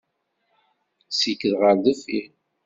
Sikked ɣer deffir!